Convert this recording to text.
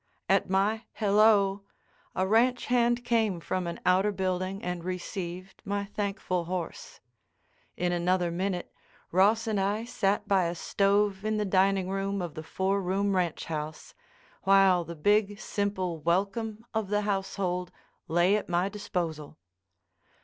At my "hello," a ranch hand came from an outer building and received my thankful horse. In another minute, Ross and I sat by a stove in the dining room of the four room ranch house, while the big, simple welcome of the household lay at my disposal.